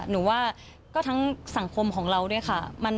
หนูว่าก็ทั้งสังคมของเราด้วยค่ะ